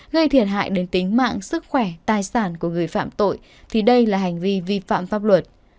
gây thiệt hại đến tính mạng sức khỏe tài sản của người phạm tội thì đây là hành vi vi phạm pháp luật